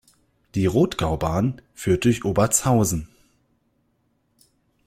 Die Rodgaubahn führt durch Obertshausen.